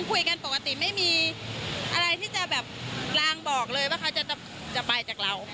คุยกันบอกตรงนั้นไม่มีอะไรที่จะแบบล่างบอกว่าเขาจะไปจักรรค์แบบเรา